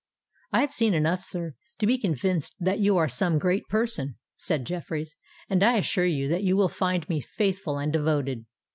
"I have seen enough, sir, to be convinced that you are some great person," said Jeffreys, "and I assure you that you will find me faithful and devoted."